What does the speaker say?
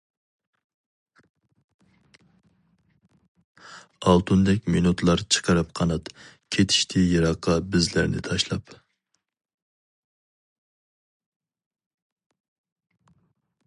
ئالتۇندەك مىنۇتلار چىقىرىپ قانات، كېتىشتى يىراققا بىزلەرنى تاشلاپ.